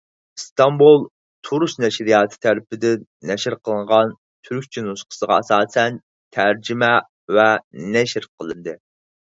ئىستانبۇل «تۇرۇس نەشرىياتى» تەرىپىدىن نەشر قىلىنغان تۈركچە نۇسخىسىغا ئاساسەن تەرجىمە ۋە نەشر قىلىندى.